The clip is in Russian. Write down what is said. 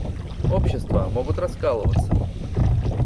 Общества могут раскалываться.